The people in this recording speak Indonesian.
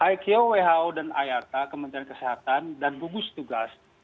iko who dan ayata kementerian kesehatan dan gugus tugas